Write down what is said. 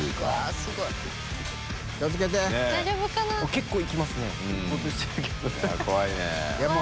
結構いきますね。